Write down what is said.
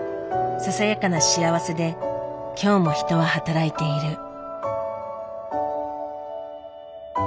ささやかな幸せで今日も人は働いている。